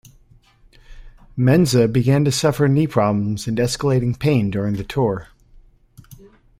Menza began to suffer knee problems and escalating pain during the tour.